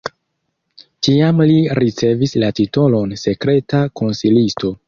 Tiam li ricevis la titolon sekreta konsilisto.